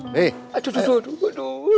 aduh aduh aduh aduh